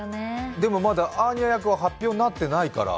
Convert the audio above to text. でもまだアーニャ役は発表になってないから。